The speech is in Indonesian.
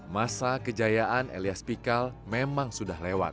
masa kejayaan elias pikal memang sudah lewat